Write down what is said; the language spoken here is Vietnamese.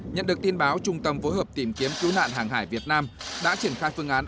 nhận được tin báo trung tâm phối hợp tìm kiếm cứu nạn hàng hải việt nam đã triển khai phương án